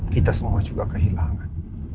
kita semua juga kehilangan